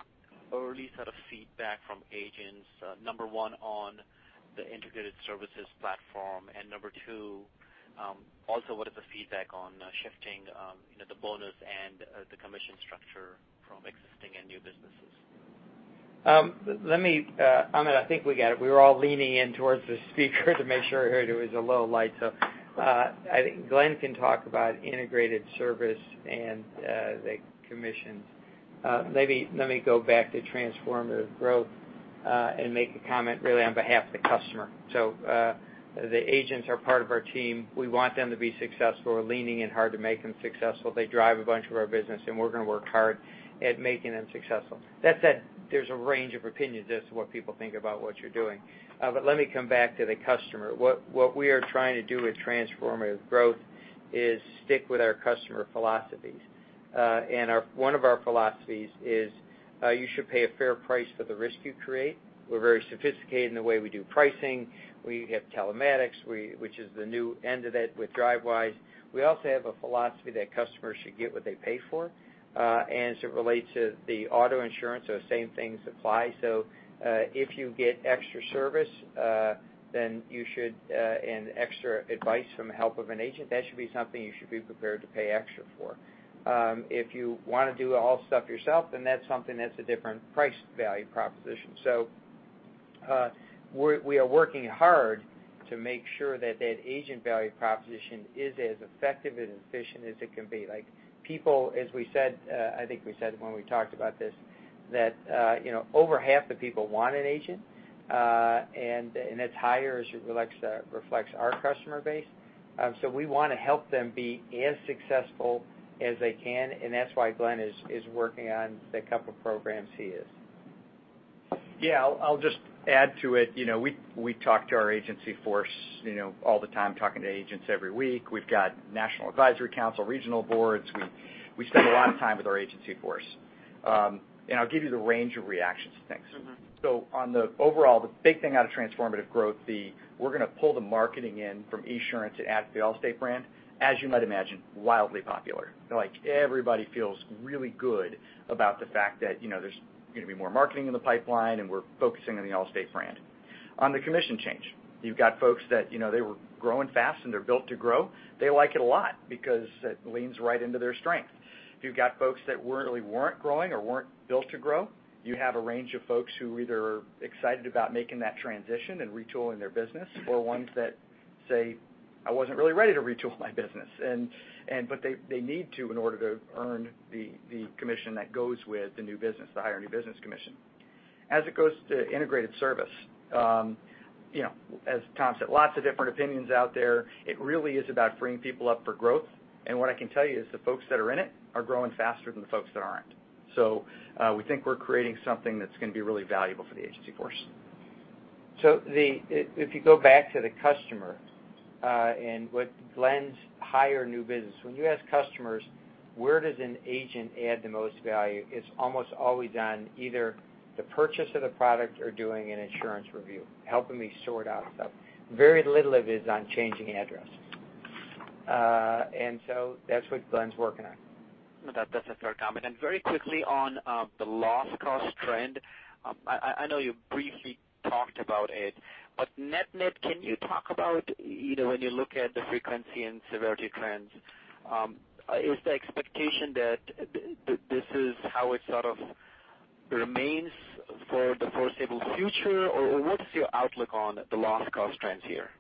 early sort of feedback from agents, number one, on the integrated services platform? Number two, also what is the feedback on shifting the bonus and the commission structure from existing and new businesses? Amit, I think we got it. We were all leaning in towards the speaker to make sure I heard. It was a low light. I think Glenn can talk about integrated service and the commissions. Maybe let me go back to Transformative Growth, and make a comment really on behalf of the customer. The agents are part of our team. We want them to be successful. We're leaning in hard to make them successful. They drive a bunch of our business, and we're going to work hard at making them successful. That said, there's a range of opinions as to what people think about what you're doing. Let me come back to the customer. What we are trying to do with Transformative Growth is stick with our customer philosophies. One of our philosophies is you should pay a fair price for the risk you create. We're very sophisticated in the way we do pricing. We have telematics, which is the new end of it with Drivewise. We also have a philosophy that customers should get what they pay for. As it relates to the auto insurance, those same things apply. If you get extra service, and extra advice from the help of an agent, that should be something you should be prepared to pay extra for. If you want to do all the stuff yourself, that's something that's a different price value proposition. We are working hard to make sure that agent value proposition is as effective and efficient as it can be. People, as we said, I think we said when we talked about this That over half the people want an agent, and that's higher as it reflects our customer base. We want to help them be as successful as they can, and that's why Glenn is working on the couple programs he is. Yeah, I'll just add to it. We talk to our agency force all the time, talking to agents every week. We've got national advisory council, regional boards. We spend a lot of time with our agency force. I'll give you the range of reactions to things. On the overall, the big thing out of transformative growth, we're going to pull the marketing in from Esurance and add to the Allstate brand. As you might imagine, wildly popular. Everybody feels really good about the fact that there's going to be more marketing in the pipeline, and we're focusing on the Allstate brand. On the commission change, you've got folks that they were growing fast, and they're built to grow. They like it a lot because it leans right into their strength. You've got folks that really weren't growing or weren't built to grow. You have a range of folks who either are excited about making that transition and retooling their business, or ones that say, "I wasn't really ready to retool my business." They need to in order to earn the commission that goes with the new business, the higher new business commission. As it goes to integrated service, as Tom said, lots of different opinions out there. It really is about freeing people up for growth, and what I can tell you is the folks that are in it are growing faster than the folks that aren't. We think we're creating something that's going to be really valuable for the agency force. If you go back to the customer, and with Glen's higher new business, when you ask customers, "Where does an agent add the most value?" It's almost always on either the purchase of the product or doing an insurance review, helping me sort out stuff. Very little of it is on changing addresses. That's what Glen's working on. That's a fair comment. Very quickly on the loss cost trend. I know you briefly talked about it, net-net, can you talk about when you look at the frequency and severity trends, is the expectation that this is how it sort of remains for the foreseeable future? What is your outlook on the loss cost trends here?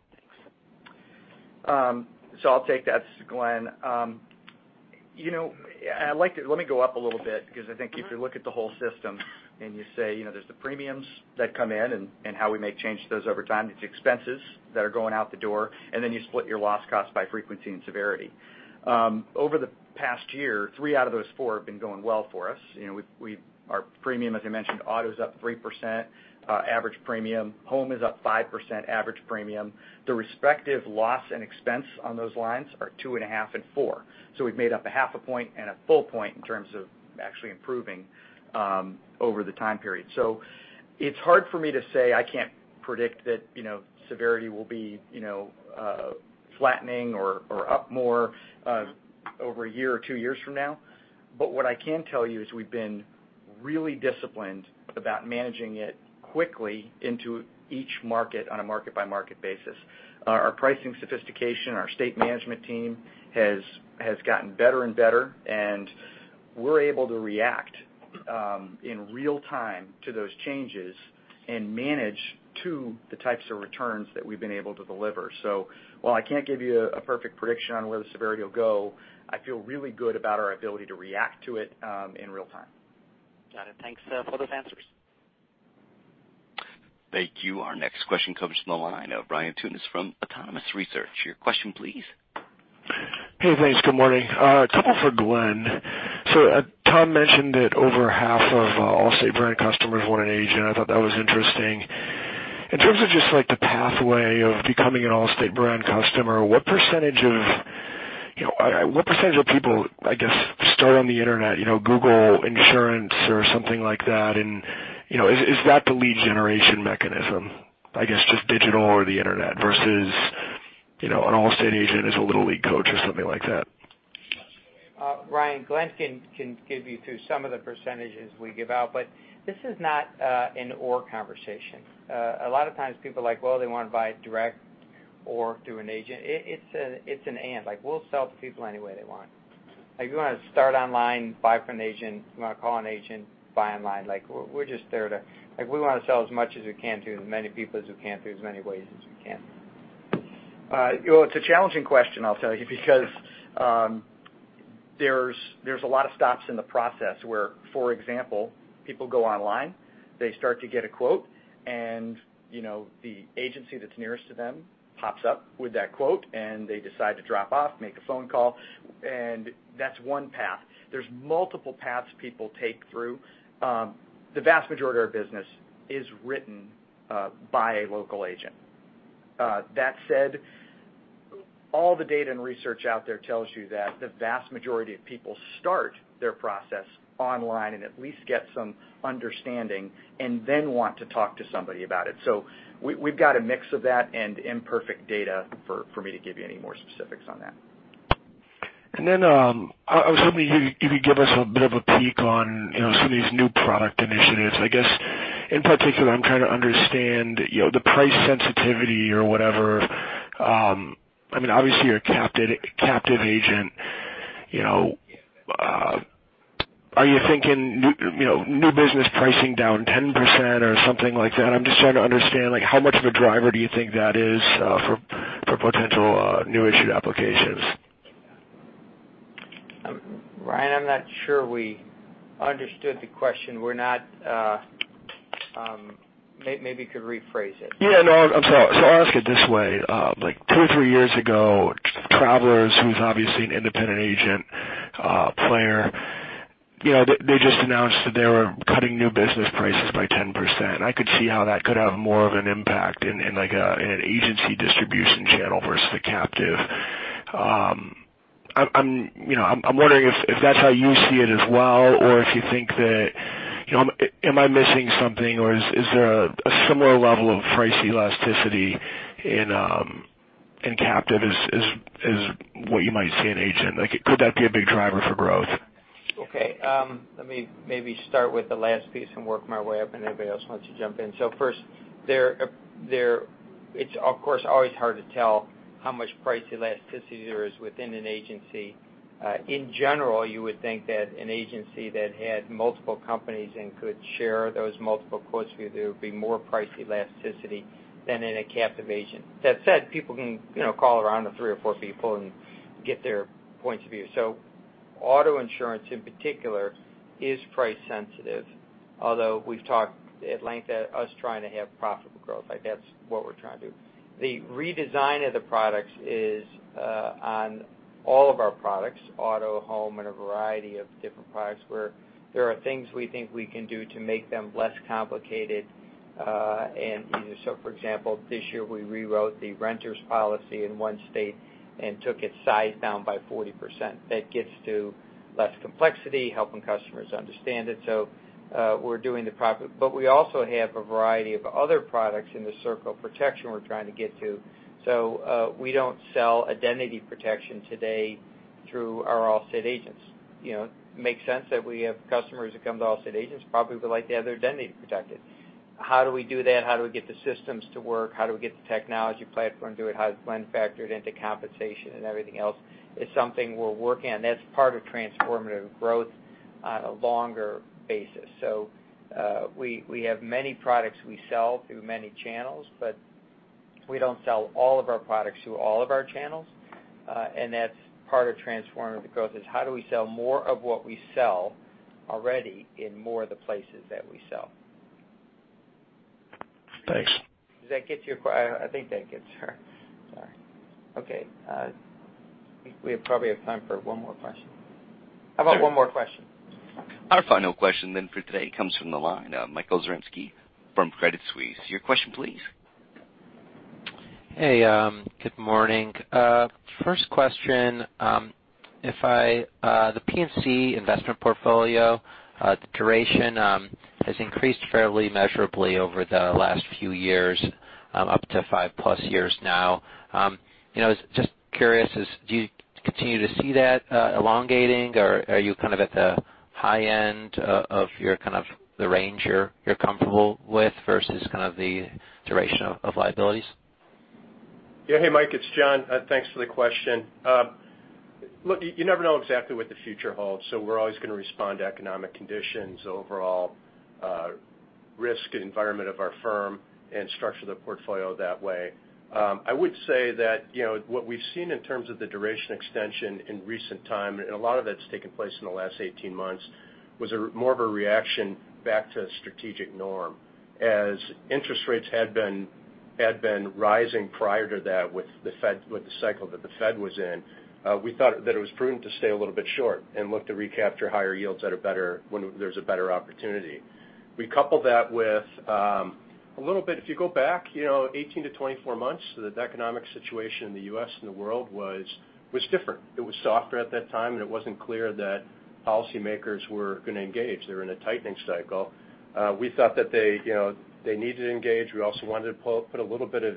Thanks. I'll take that, Glen. Let me go up a little bit, because I think if you look at the whole system and you say there's the premiums that come in, and how we may change those over time. There's expenses that are going out the door, you split your loss cost by frequency and severity. Over the past year, three out of those four have been going well for us. Our premium, as I mentioned, auto's up 3%, average premium. Home is up 5% average premium. The respective loss and expense on those lines are two and a half and four. We've made up a half a point and a full point in terms of actually improving over the time period. It's hard for me to say. I can't predict that severity will be flattening or up more over a year or two years from now. What I can tell you is we've been really disciplined about managing it quickly into each market on a market-by-market basis. Our pricing sophistication, our state management team has gotten better and better, and we're able to react in real time to those changes and manage to the types of returns that we've been able to deliver. While I can't give you a perfect prediction on where the severity will go, I feel really good about our ability to react to it in real time. Got it. Thanks for those answers. Thank you. Our next question comes from the line of Brian Tunas from Autonomous Research. Your question, please. Hey, thanks. Good morning. A couple for Glenn. Tom mentioned that over half of Allstate brand customers want an agent. I thought that was interesting. In terms of just the pathway of becoming an Allstate brand customer, what percentage of people, I guess, start on the internet, Google insurance or something like that, and is that the lead generation mechanism? I guess just digital or the internet versus an Allstate agent is a little league coach or something like that. Brian, Glenn can give you through some of the percentages we give out, but this is not an or conversation. A lot of times people are like, well, they want to buy direct or through an agent. It's an and. We'll sell to people any way they want. If you want to start online, buy from an agent, if you want to call an agent, buy online. We want to sell as much as we can to as many people as we can through as many ways as we can. It's a challenging question, I'll tell you, because there's a lot of stops in the process where, for example, people go online, they start to get a quote, and the agency that's nearest to them pops up with that quote, and they decide to drop off, make a phone call, and that's one path. There's multiple paths people take through. The vast majority of our business is written by a local agent. That said, all the data and research out there tells you that the vast majority of people start their process online and at least get some understanding and then want to talk to somebody about it. We've got a mix of that and imperfect data for me to give you any more specifics on that. I was hoping you could give us a bit of a peek on some of these new product initiatives. I guess, in particular, I'm trying to understand the price sensitivity or whatever. Obviously, you're a captive agent. Are you thinking new business pricing down 10% or something like that? I'm just trying to understand how much of a driver do you think that is for potential new issued applications? Brian, I'm not sure we understood the question. Maybe you could rephrase it. Yeah, no, I'm sorry. I'll ask it this way. Two or three years ago, Travelers, who's obviously an independent agent player, they just announced that they were cutting new business prices by 10%. I could see how that could have more of an impact in an agency distribution channel versus the captive. I'm wondering if that's how you see it as well, or if you think that, am I missing something or is there a similar level of price elasticity in captive as what you might see in agent? Could that be a big driver for growth? Okay. Let me maybe start with the last piece and work my way up, and anybody else wants to jump in. First, it's of course, always hard to tell how much price elasticity there is within an agency. In general, you would think that an agency that had multiple companies and could share those multiple quotes with you, there would be more price elasticity than in a captive agent. That said, people can call around to three or four people and get their points of view. Auto insurance in particular is price sensitive. Although we've talked at length at us trying to have profitable growth. That's what we're trying to do. The redesign of the products is on all of our products, auto, home, and a variety of different products where there are things we think we can do to make them less complicated. For example, this year we rewrote the renter's policy in one state and took its size down by 40%. That gets to less complexity, helping customers understand it. We also have a variety of other products in the circle of protection we're trying to get to. We don't sell identity protection today through our Allstate agents. Makes sense that we have customers that come to Allstate agents probably would like to have their identity protected. How do we do that? How do we get the systems to work? How do we get the technology platform to it? How does Glenn factor it into compensation and everything else? It's something we're working on. That's part of transformative growth on a longer basis. We have many products we sell through many channels, but we don't sell all of our products through all of our channels. That's part of transformative growth, is how do we sell more of what we sell already in more of the places that we sell. Thanks. Sorry. Okay. I think we probably have time for one more question. How about one more question? Our final question for today comes from the line. Michael Zaremski from Credit Suisse. Your question, please. Hey, good morning. First question, the P&C investment portfolio, the duration has increased fairly measurably over the last few years up to 5+ years now. I was just curious, do you continue to see that elongating, or are you at the high end of the range you're comfortable with versus the duration of liabilities? Yeah. Hey, Mike, it's John. Thanks for the question. Look, you never know exactly what the future holds, so we're always going to respond to economic conditions, overall risk environment of our firm, and structure the portfolio that way. I would say that what we've seen in terms of the duration extension in recent time, and a lot of that's taken place in the last 18 months, was more of a reaction back to strategic norm. As interest rates had been rising prior to that with the cycle that the Fed was in, we thought that it was prudent to stay a little bit short and look to recapture higher yields when there's a better opportunity. We coupled that with, a little bit if you go back 18 to 24 months, the economic situation in the U.S. and the world was different. It was softer at that time, it wasn't clear that policymakers were going to engage. They were in a tightening cycle. We thought that they needed to engage. We also wanted to put a little bit of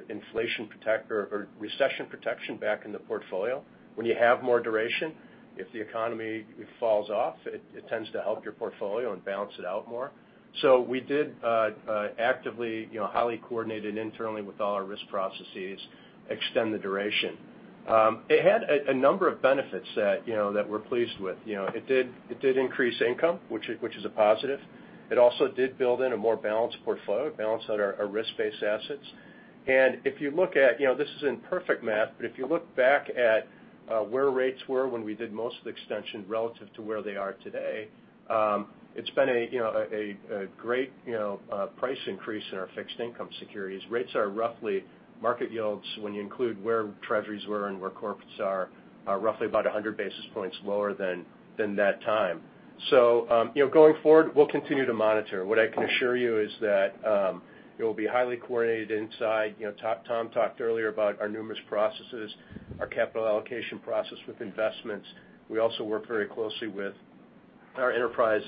recession protection back in the portfolio. When you have more duration, if the economy falls off, it tends to help your portfolio and balance it out more. We did actively, highly coordinated internally with all our risk processes, extend the duration. It had a number of benefits that we're pleased with. It did increase income, which is a positive. It also did build in a more balanced portfolio, balanced out our risk-based assets. This isn't perfect math, but if you look back at where rates were when we did most of the extension relative to where they are today, it's been a great price increase in our fixed income securities. Rates are roughly market yields when you include where treasuries were and where corporates are, roughly about 100 basis points lower than that time. Going forward, we'll continue to monitor. What I can assure you is that it will be highly coordinated inside. Tom talked earlier about our numerous processes, our capital allocation process with investments. We also work very closely with our enterprise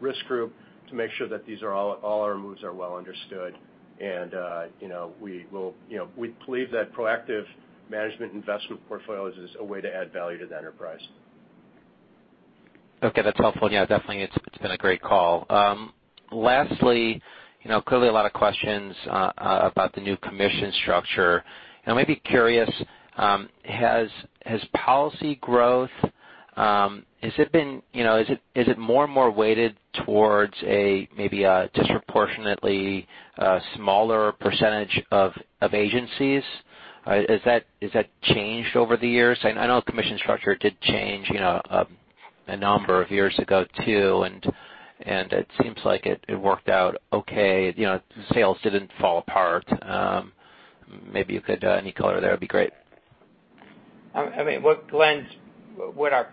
risk group to make sure that all our moves are well understood. We believe that proactive management investment portfolios is a way to add value to the enterprise. Okay, that's helpful. Yeah, definitely, it's been a great call. Lastly, clearly a lot of questions about the new commission structure. I may be curious, has policy growth, is it more and more weighted towards maybe a disproportionately smaller percentage of agencies? Has that changed over the years? I know commission structure did change a number of years ago, too, it seems like it worked out okay. Sales didn't fall apart. Maybe you could any color there would be great. I mean, Glenn, what our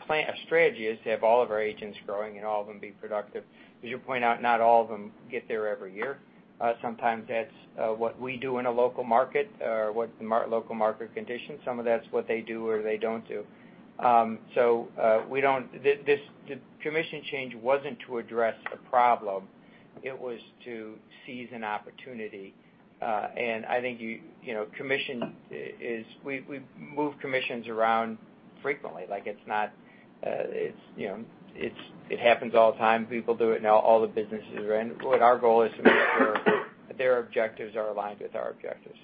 strategy is to have all of our agents growing and all of them be productive. As you point out, not all of them get there every year. Sometimes that's what we do in a local market or what the local market conditions. Some of that's what they do or they don't do. The commission change wasn't to address a problem. It was to seize an opportunity. We move commissions around frequently. It happens all the time. People do it in all the businesses. What our goal is to make sure that their objectives are aligned with our objectives.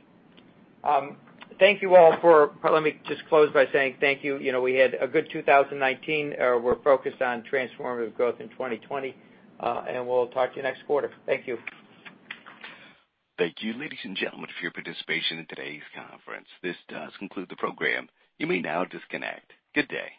Thank you all. Let me just close by saying thank you. We had a good 2019. We're focused on transformative growth in 2020. We'll talk to you next quarter. Thank you. Thank you, ladies and gentlemen, for your participation in today's conference. This does conclude the program. You may now disconnect. Good day.